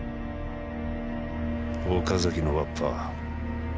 岡崎のわっぱ。